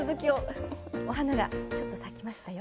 お花がちょっと咲きましたよ